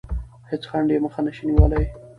هیڅ خنډ یې مخه نه شي نیولی.